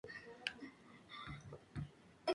Sin embargo, esta postal nunca salió del país.